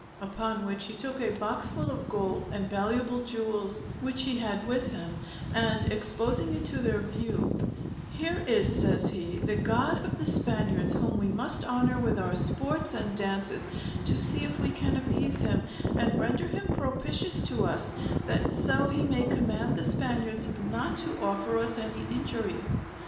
Upon which he took a box full of gold and valuable jewels which he had with him; and exposing it to their view, "Here is," says he, "the god of the Spaniards, whom we must honor with our sports and dances, to see if we can appease him, and render him propitious to us, that so he may command the Spaniards not to offer us any injury."